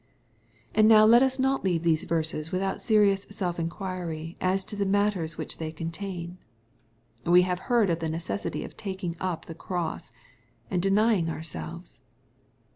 And now let us not leave these verses without serioiis self inquiry as to the matters which they contain. We have heard of the necessity of taking up the cross, and denying ourselves.